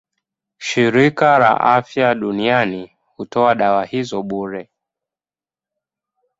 Shirika la Afya Duniani hutoa dawa hizo bure.